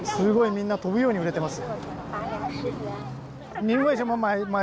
みんな飛ぶように売れています。